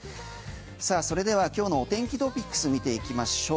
さあ、それでは今日のお天気トピックス見ていきましょう。